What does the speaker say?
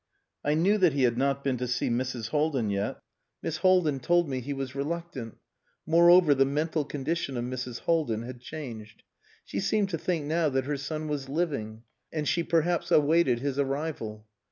I knew that he had not been to see Mrs. Haldin yet. Miss Haldin told me he was reluctant; moreover, the mental condition of Mrs. Haldin had changed. She seemed to think now that her son was living, and she perhaps awaited his arrival.